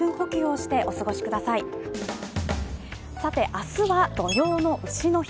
明日は土用のうしの日。